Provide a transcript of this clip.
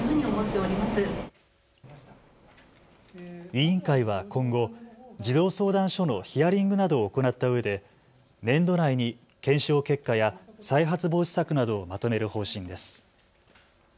委員会は今後、児童相談所のヒアリングなどを行ったうえで年度内に検証結果や再発防止策などをまとめる方針です。